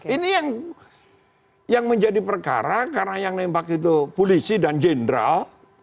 ini yang menjadi perkara karena yang nembak itu polisi dan jenderal